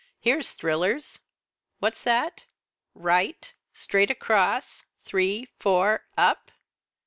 Here's thrillers. What's that? 'Right straight across three four up!'